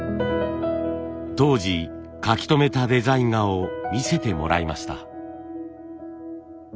当時かき留めたデザイン画を見せてもらいました。